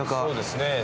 そうですね